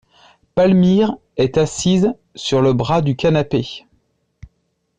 Palmyre est assise sur le bras du canapé.